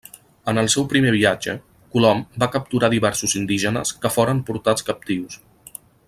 En el seu primer viatge Colom va capturar diversos indígenes que foren portats captius.